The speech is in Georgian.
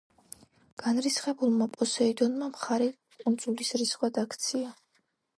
განრისხებულმა პოსეიდონმა ხარი კუნძულის რისხვად აქცია.